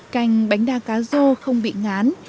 canh bánh đa cá rô không bị ngán